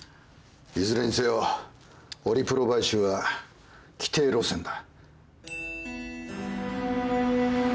いずれにせよオリプロ買収は既定路線だ。